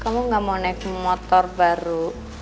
kamu gak mau naik motor baru